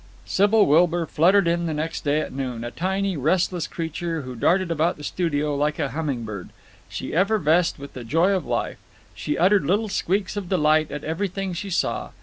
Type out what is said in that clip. Sybil Wilbur fluttered in next day at noon, a tiny, restless creature who darted about the studio like a humming bird. She effervesced with the joy of life. She uttered little squeaks of delight at everything she saw.